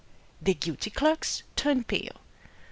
The guilty clerks turned pale.